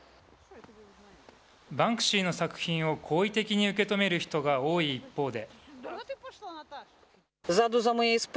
バンクシーの作品を好意的に受け止める人が多い一方で。